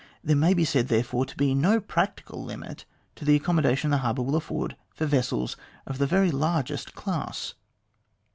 There may be said, therefore, to be no practical limit to the accom modation the harbour will afford for vessels of the very largest class.